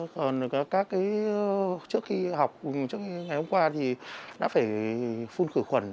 còn các cái trước khi học trước ngày hôm qua thì đã phải phun khử khuẩn